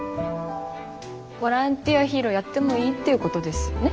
ボランティアヒーローやってもいいってことですよね？